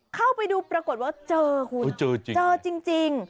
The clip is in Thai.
เข้าไปดูปรากฏว่าเจอคุณจริง